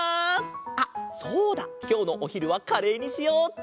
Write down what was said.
あっそうだきょうのおひるはカレーにしようっと。